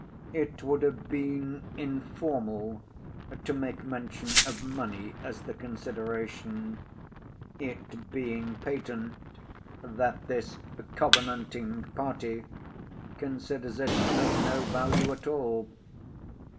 It would have been informal to make mention of money as the consideration, it being patent that this "covenanting party" considers it of no value at all.